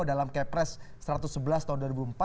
dalam kepres satu ratus sebelas tahun dua ribu empat